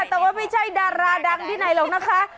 แต่ว่าไม่ใช่ดาราดังที่ไหนหรอกนะคะ